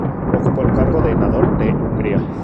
Ocupó el cargo de Nádor de Hungría.